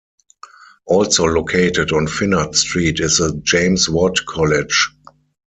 Also located on Finnart Street is the James Watt College.